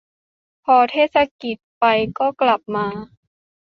พอเทศกิจไปก็กลับมา